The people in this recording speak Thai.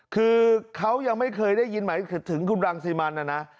คือเขายังไม่เคยได้ยินหมายถึงคุณรังสิมันนะนะ